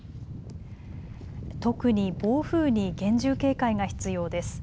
特に暴風に厳重警戒が必要です。